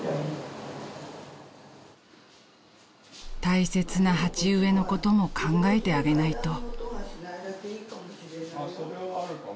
［大切な鉢植えのことも考えてあげないと］